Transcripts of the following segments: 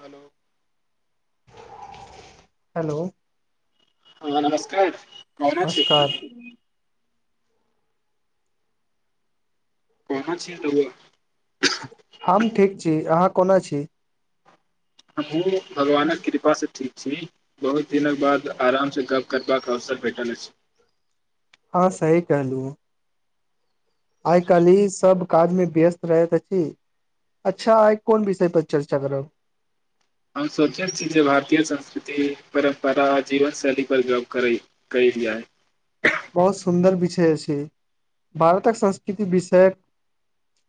Hello hello हँ नमस्कार कोना छी नमस्कार कहा छी तब रउवा हम ठीक छी अहाँ कोना छी हमहु भगवानक कृपा से ठीक छी बहुत दिनक बाद आराम से गप करबाक अवसर भेठल अछि हँ सही कहलु आइ काल्हि इ सब काज मे व्यस्त रहैत अछि अच्छा आइ कोन विषय पर चर्चा करब हम सोचै छी जे भारतीय संस्कृति परम्परा जीवन शैली पर गप कर करी करली ह बहुत सुन्दर विषय अछि भारतक संस्कृति विषयक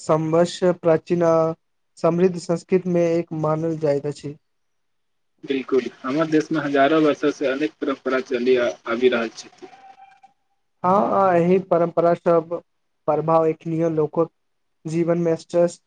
संवर्ष प्राचीन आ समृद्ध संस्कृति मे एक मानल जाइत अछि बिलकुल हमर देशमे हजारो वर्षोसँ अनेक परम्परा चलि आबि रहल छथि हँ हँ एहि परम्परा सब प्रभाव एक्खनीय लोको जीवनमे स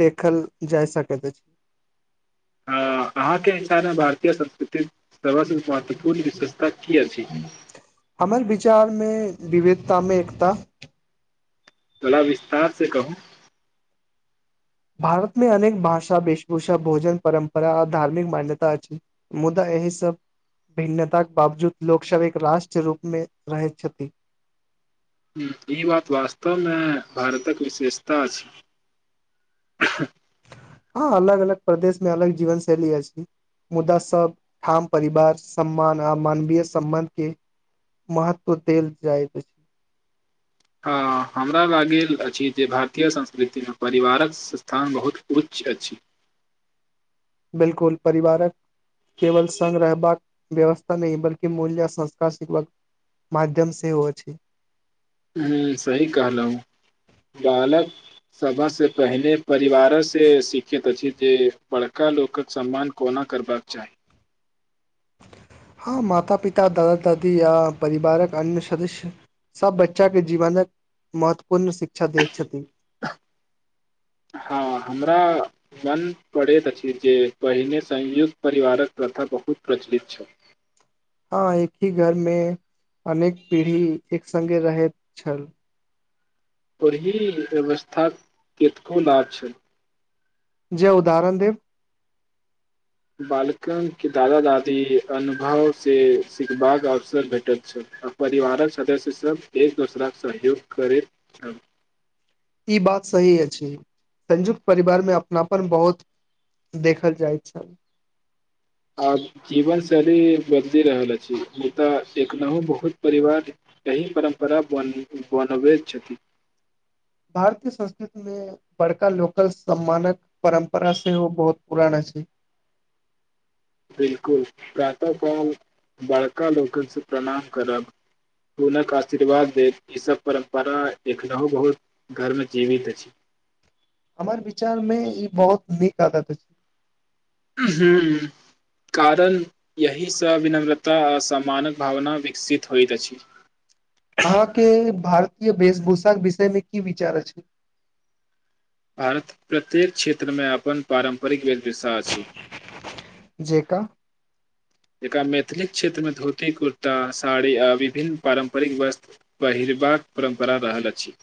देखल जाय सकैत अछि हाँ, अहाँके हिसाबे भारतीय संस्कृतिक सबसँ महत्वपूर्ण विशेषता की अछि हमर विचारमे विविधतामे एकता थोड़ा विस्तार से कहू भारतमे अनेक भाषा वेशभूषा भोजन परम्परा आ धार्मिक मान्यता अछि मुदा एहि सभ भिन्नताक बावजूद लोकसभ एक राष्ट्र रूपमे रहैत छथि ई बात वास्तवमे भारतक विशेषता अछि हँ अलग अलग प्रदेश मे अलग जीवन शैली अछि मुदा सब ठाम परिवार सम्मान आ मानवीय सम्बन्ध के महत्व देल जाइत अछि हँ हमरा लागेल अछि जे भारतीय संस्कृतिमे परिवारक स्थान बहुत उच्च अछि बिलकुल परिवारक केवल संग रहबाक व्यवस्था नहि बल्कि मूल्य संस्कार सिखबाक माध्यम से हो छै हं सही कहलहु बालक सभसँ पहिनेे परिवारसे सिखैत अछि जे बड़का लोकक सम्मान कोना करबाक चाही हँ माता पिता दादा दादी आ परिवारक अन्य सदस्य सभ बच्चाके जीवनक महत्वपूर्ण शिक्षा दैत छथिन हँ हमरा मन पड़ैत अछि जे पहिने संयुक्त परिवारक प्रथा बहुत प्रचलित छल हँ एक ही घर मे अनेक पीढ़ी एक सङ्गे रहैत छल ओही अवस्था केतको न छै ज उदाहरण देव बालकनक के दादा दादी अनुभवसे सिखबाक अवसर भेटल छल आ परिवारक सदस्यसभ एक दोसराक सहयोग करैत छल ई बात सही अछि संयुक्त परिवार मे अपनापन बहुत देखल जाइत छल आब जीवनशैली बदलि रहल अछि मुदाऽ एखनहु बहुत परिवारकेी परम्परा बन बनबैत छथिन भारतीय संस्कृति मे बड़का लोकल सम्मानक परम्परा सेहो बहुत पुराना छै बिलकुल प्रातः काल बड़का लोकनिसँ प्रणाम करब हुनक आशीर्वाद देत ईसभ परम्परा एखनहु बहुत धर्मे जीवित अछि हमर विचारमे ई बहुत नीक आदत छै कारण यहीसँ विनम्रता आ सामानक भावना विकसित होइत अछि अहाँके भारतीय वेशभूषाक विषयमे की विचार अछि भारत प्रत्येक क्षेत्रमे अपन पारम्परिक व्य वृषा छी जेका एकरा मैथिली क्षेत्रमे धोती कुर्ता साड़ी आ विभिन्न पारम्परिक वस्त्र पहिरबाक परम्परा रहल अछि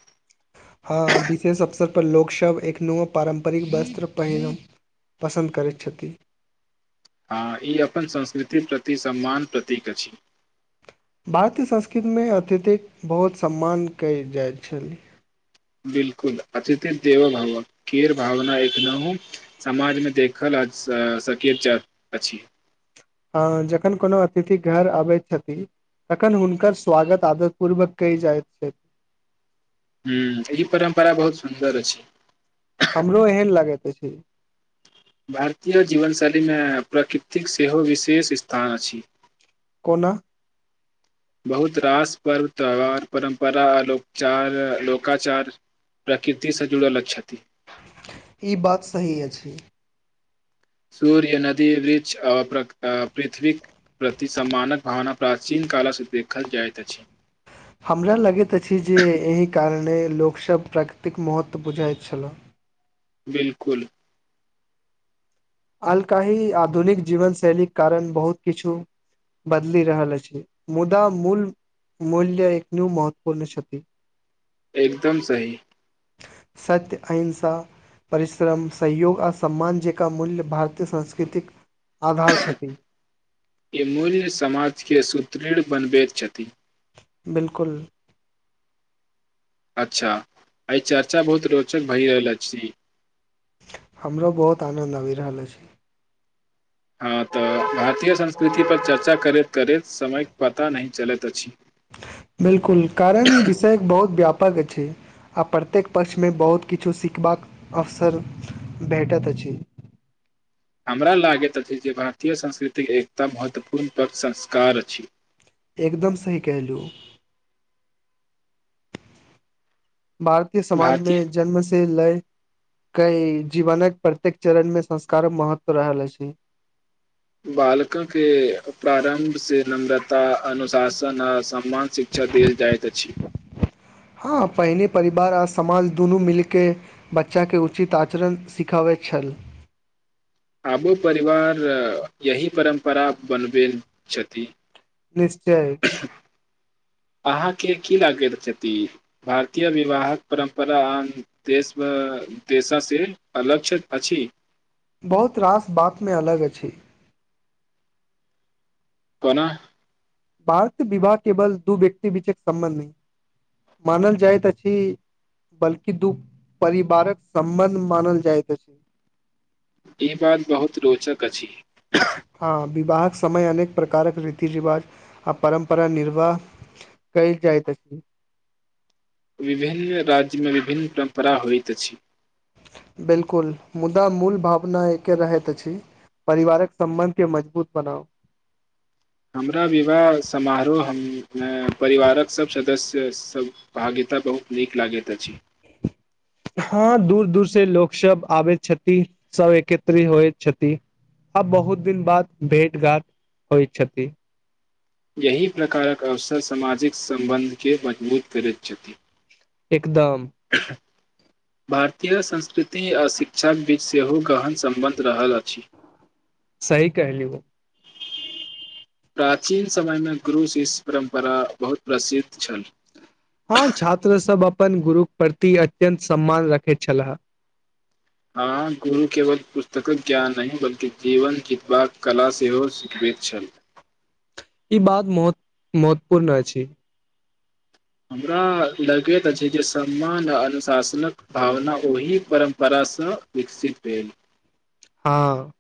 हँ विशेष अवसरपर लोकसभ एखनहु पारम्परिक वस्त्र पहिर पसन्द करैत छथि हँ ई अपन संस्कृति प्रति सम्मान प्रतीक अछि भारतीय संस्कृतिमे अत्यथिक बहुत सम्मान कयल जाइ छलै बिलकुल अतिथि देवो भव केर भावना एखनहु समाजमे देखल सकैत अछि अ जखन कोनो अतिथि घर अबैत छथि तखन हुनकर स्वागत आदत पूर्वक कहि जाइत छै ह ई परम्परा बहुत सुन्दर अछि हमरो एहन लागैत अछि भारतीय जीवन शैलीमे प्रकृ थिक सेहो विशेष स्थान अछि बना बहुत रास पर्व त्यौहार परम्परा आार लोकोकाचार प्रकृतिसँ जुड़ल छथि ई बात सही अछि सूर्य नदी वृक्ष पृथ्वी प्रति सम्मानक भावना प्राचीन कालसँ देखल जाइत अछि हमरा लगैत अछि जे एहि कारणे लोकसभब प्राकृतिक महत्व बुझाइत छलो बिलकुल अलकाहि आधुनिक जीवन शैलीक कारण बहुत किछु बदलि रहल अछि मुदा मूल मूल्य एकनू महत्वपूर्ण छथि एकदम सही सत्य अहिंसा परिश्रम सहयोग आ सम्मानजेका मूल्य भारतीय संस्कृतिक य मूल्य समाज के सुत्र तृड बनवे छ्ति बिलकुल अच्छा आय चर्चा बहुत रोचक भए रहल अछि हमरो बहुत आनन्द आबि रहल अछि। हँ तऽ भारतीय संस्कृति पर चर्चा करैत करैत समयके पता नहि चलैत अछि। बिलकुल कारण ई विषयक बहुत व्यापक पग अछि आ प्रत्येक पक्षमे बहुत किछु सिखबाक अवसर भेटैत अछि। हमरा लागैत अछि जे भारतीय संस्कृतिक एकता महत्वपूर्ण तक संस्कार अछि। एकदम सही कैहलू। भारतीय समाज मे भारतीय जन्म से लय कई जीवनक प्रत्येक चरणमे संस्कारक महत्व रहल अछि। बालको के प्रारंभ से नम्रता अनुशासन आ सम समान शिक्षा देल जाइत अछि। हँ पहिने परिवार आ समाज दुनू मिलकेऽ बच्चाकेँ उचित आचरण सिखबैत छल। आबो परिवार यही परम्परा बनबे छथि। निश्चय अहाँके की लागैत छथि भारतीय विवाहक परम्परान आ देशमे देशा से अलग छथी अछि। बहुत रास बात मे अलग अछि। कोनाह भारत विवाह केवल दू व्यक्ति बीचके सम्बन्ध नहि मानल जाइत अछि बल्कि दू परिवारक सम्बन्ध मानल जाइत अछि। ई बात बहुत रोचक अछि। हँ विवाहक समय अनेक प्रकारक रीति रिवाज आ परम्परा निर्वाह कैल जाइत अछि। विभिन्न राज्यमे विभिन्न परम्परा होइत अछि। बिल्कुल मुदा मूल भावना एकके रहैत अछि परिवारक सम्बन्धके मजबूत बनाउ। हमरा विवाह समारोह हम परिवारक सब सदस्य स तब भाग्यता बहुत नीक लागैत अछि। हँ दूर दूर से लोक सब आबैत छथि सभ एकत्रित होइत छथि आ बहुत दिन बाद भेट घाट होइ छथि। एहि प्रकारक अवसर सामाजिक सम्बन्धकेँ मजबूत करैत छथि। इकदम भारतीय संस्कृति आ शिक्षाक बीच सेहो गहन सम्बन्ध रहल अछि। सही कहलिय ओ प्राचीन समयमे ग्रूस इस परम्परा बहुत प्रसिद्ध छल। हँ छात्रसभ अपन गुरुके प्रति अत्यन्त सम्मान रखैत छलहा। हँ गुरु केवल पुस्तकक ज्ञान नहि बल्कि जीवन जितबाक कला सेहो सिखबैत छल ई बात महत महत्वपूर्ण अछि हमरा लगैत अछि जे सम्मान आ अनुशासनक भावना ओहि परम्परासँ विकसित भेल हँ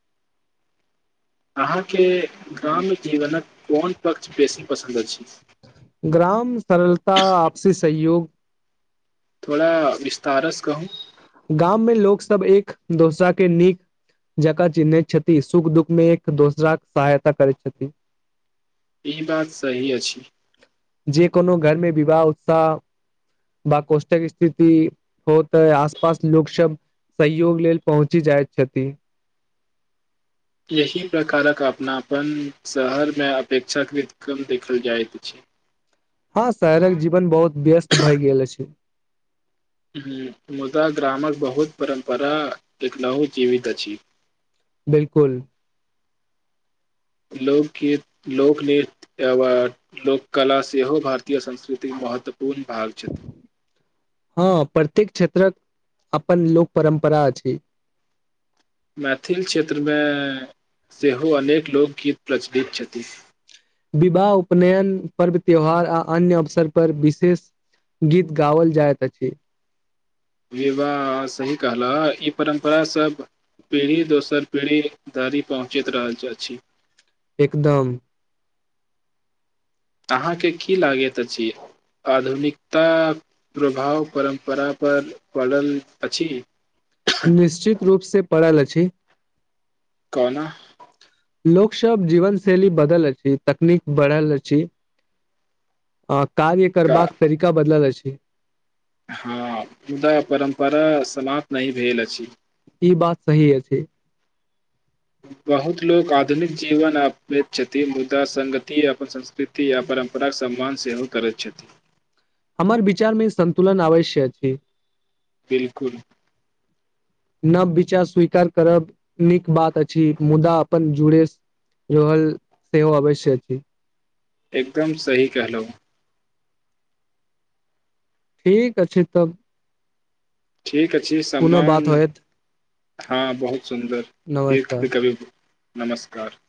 अहाँके ग्राम्य जीवनक कोन पक्ष बेसी पसन्द अछि ग्राम सरलता आपसी सहयोग थोड़ा विस्तारस कहू गाममे लोक सब एक दोसरा के नीक जकाँ चिन्हैत छथि सुख दुःखमे एक दोसरााके सहायता करैत छथिन ई बात सही अछि जे कोनो घरमे विवाह उत्साह वा कौष्टक स्थिति हो तऽ आस पास लोक सब सहयोग लेल पहुँची जाइत छथि एहि प्रकारक अपनापन शहरमे अपेक्षाकृत क्रम देखल जाइत अछि हँ शहरक जीवन बहुत व्यस्त भए गेल अछि। ह्म मुदा ग्रामक बहुत परम्परा एकनहु जीवित अछि। बिलकुल लोकगीत लोकनृत्य एवार्ड लोककला सेहो भारतीय संस्कृतिक महत्वपूर्ण भाग छथि। हँ प्रत्येक क्षेत्रक अपन लोक परम्परा अछि। मैथिल क्षेत्रमे सेहो अनेक लोकगीत प्रचलित छथि। विवाह उपनयन पर्व त्यौहार आ अन्य अवसर पर विशेष गीत गाओल जाइत अछि। विवाह सही कहलाह ई परम्परास सभ पीढ़ी दोसर पीढ़ी धरि पहुँचैत रहल अछि। एकदम अहाँके की लागैत अछि आधुनिकता प्रभाव परम्परा पर पड़ल अछि? निश्चित रूप से पड़ा अ छि कौना लोक सब जीवन शैली बदल अछि तकनीक बढ़ल अछि आ कार्य का करबाक तरीका बदलल अछि। [unintelligible] हँ मुदा परम्परा समाप्त नइ भेल अछि। ई बात सही अछि। बहुत लोक आधुनिक जीवन अपनैत छथिन मुदा संगति अपन संस्कृति या परम्पराक सम्मान सेहो करैत छथि। हमर विचार मे ई संन्तुलन अवश्य अछि। बिलकुल नव विचार स्वीकार करब नीक बात अछि मुदा अपन जुड़े रहल सेहो अवश्य अछि। एकदम सही कहलों ठीक अछि तब ठीक अछि पुनः सम्मान बात होयत हँ बहुत सुन्दर एक नमस्कार कभी नमस्कार